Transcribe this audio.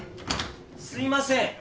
・・すいません